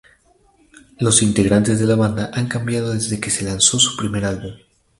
Los integrantes de la banda han cambiado desde que se lanzó su primer álbum.